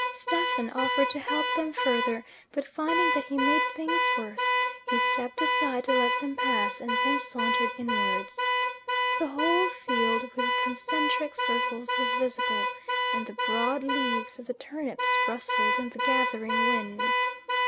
Stephen offered to help them further, but finding that he made things worse, he stepped aside to let them pass and then sauntered inwards. The whole field, with concentric circles, was visible, and the broad leaves of the turnips rustled in the gathering wind.